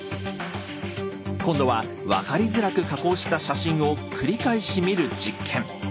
今度は分かりづらく加工した写真を繰り返し見る実験。